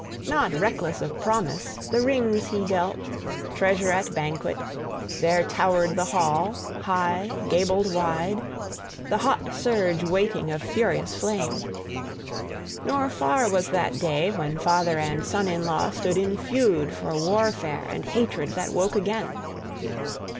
Not reckless of promise, the rings he dealt, treasure at banquet: there towered the hall, high, gabled wide, the hot surge waiting of furious flame. {1b} Nor far was that day when father and son in law stood in feud for warfare and hatred that woke again.